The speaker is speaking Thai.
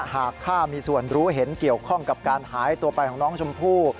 ข้ามีส่วนรู้เห็นเกี่ยวข้องกับการหายตัวไปของน้องชมพู่